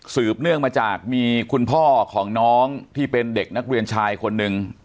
เนื่องมาจากมีคุณพ่อของน้องที่เป็นเด็กนักเรียนชายคนหนึ่ง